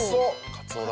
カツオだ」